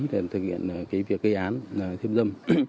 để thực hiện việc gây án thiếp dâm